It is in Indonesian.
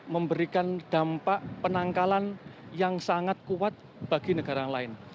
memberikan dampak penangkalan yang sangat kuat bagi negara lain